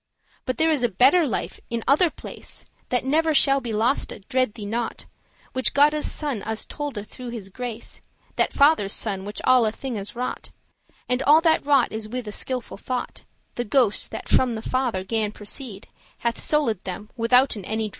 "But there is better life in other place, That never shall be loste, dread thee nought; Which Godde's Son us tolde through his grace That Father's Son which alle thinges wrought; And all that wrought is with a skilful* thought, *reasonable The Ghost,* that from the Father gan proceed, *Holy Spirit Hath souled* them, withouten any drede.